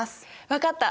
分かった！